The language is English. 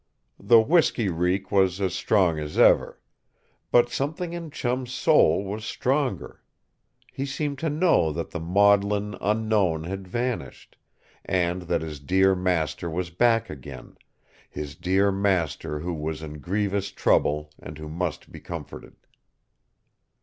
The whisky reek was as strong as ever. But something in Chum's soul was stronger. He seemed to know that the maudlin Unknown had vanished, and that his dear master was back again his dear master who was in grievous trouble and who must be comforted.